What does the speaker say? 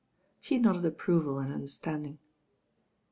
She nodded approval and understanding.